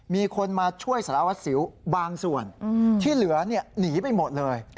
มีคนมาช่วยสารวัสสิวบางส่วนที่เหลือหนีไปหมดเลย